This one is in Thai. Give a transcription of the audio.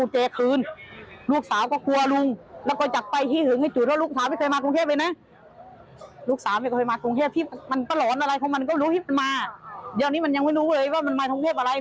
ที่แม่นี่ดีใจจังที่ขอบคุณลุงอ่ะถ้าถ้าเขามาเจอรถเขา